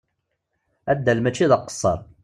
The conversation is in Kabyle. Addal mačči d aqesser.